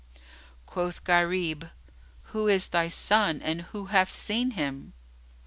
Quoth Gharib, "Who is thy son, and who hath seen him?"